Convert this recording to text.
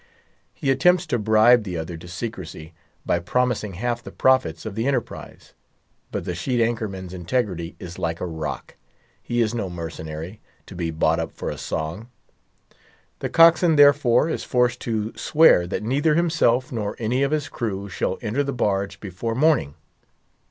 He attempts to bribe the other to secrecy, by promising half the profits of the enterprise; but the sheet anchor man's integrity is like a rock; he is no mercenary, to be bought up for a song. The cockswain, therefore, is forced to swear that neither himself, nor any of his crew, shall enter the barge before morning.